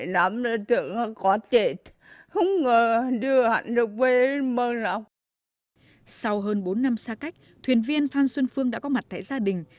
sau hơn bốn năm xa cách thuyền viên phan xuân phương đã có mặt tại gia đình